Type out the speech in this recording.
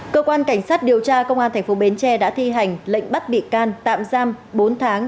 cơ quan cảnh sát điều tra công an tp bến tre đã thi hành lệnh bắt bị can tạm giam bốn tháng